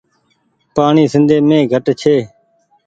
پآڻيٚ سندي مين گهٽ ڇي ۔